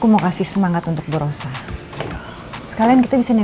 udah diayun ayun udah kasih susu